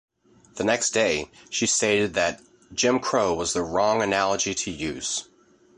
The next day, she stated that "Jim Crow was the wrong analogy to use".